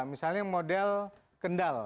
misalnya model kendal